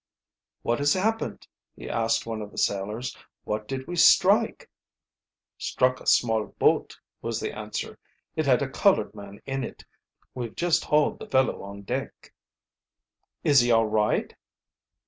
"What has happened?" he asked of one of the sailors. "What did we strike?" "Struck a small boat," was the answer. "It had a colored man in it. We've just hauled the fellow on deck." "Is he all right?"